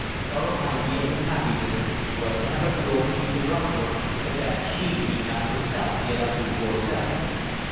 Her ideal of happiness was to have a girl to do the rough work so that she need not herself get up before seven.